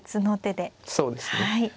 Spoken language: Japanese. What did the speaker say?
そうですね。